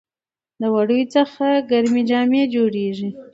د وړیو څخه ګرمې جامې جوړیږي.